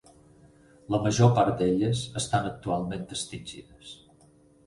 La major part d'elles estan actualment extingides.